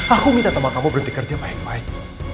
aku minta sama kamu berhenti kerja baik baik